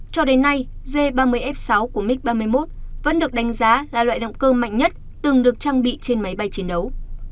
cho đến nay g ba mươi f sáu của mic ba mươi một vẫn được đánh giá là loại động cơ mạnh nhất từng được trang bị trên máy bay chiến đấu